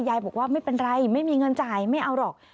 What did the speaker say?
ยายบอกว่าไม่เป็นไรไม่มีเงินจ่ายไม่เอาหรอก